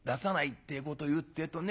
ってえことを言うってえとね